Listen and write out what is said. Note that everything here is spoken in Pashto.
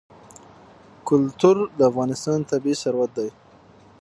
کلتور د افغانستان طبعي ثروت دی.